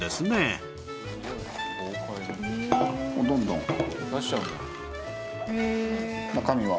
どんどん。